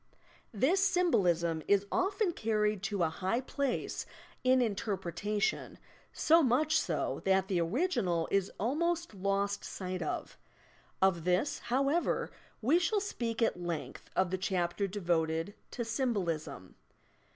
This symbolism is often carried to a high place in interpretation — so much so that the original is almost lost sight of. Of this, however, we shall speak at length in the chapter devoted to "Symbolism."